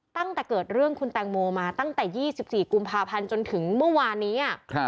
ตั้งแต่เกิดเรื่องคุณแตงโมมาตั้งแต่๒๔กุมภาพันธ์จนถึงเมื่อวานนี้